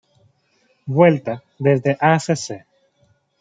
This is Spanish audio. Vuelta: Desde Acc.